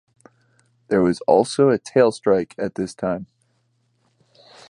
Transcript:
There was also a tail strike at this time.